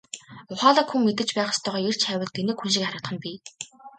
Ухаалаг хүн мэдэж байх ёстойгоо эрж хайвал тэнэг хүн шиг харагдах нь бий.